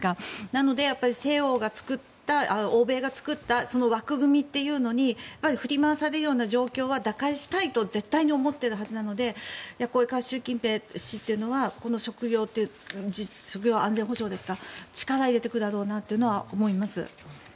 なので、欧米が作った枠組みというのに振り回されるような状況は打開したいと絶対に思っているはずなのでこれから習近平氏というのはこの食料安全保障対策ですか力を入れてくるだろうなと思います。